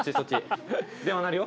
電話鳴るよ